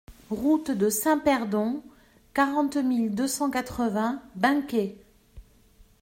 Route de Saint-Perdon, quarante mille deux cent quatre-vingts Benquet